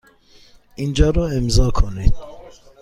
اینجا را امضا کنید.